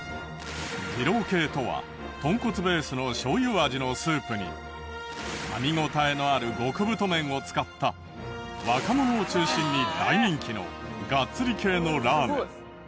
二郎系とは豚骨ベースのしょう油味のスープにかみ応えのある極太麺を使った若者を中心に大人気のがっつり系のラーメン。